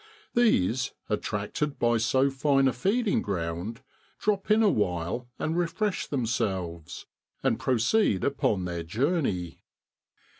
These, attracted by so fine a feeding ground, drop in awhile and refresh themselves, and proceed upon their journey.